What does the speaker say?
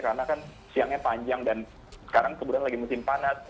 karena kan siangnya panjang dan sekarang kebetulan lagi musim panas